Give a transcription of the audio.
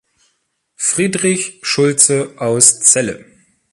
Friedrich Schulze aus Celle.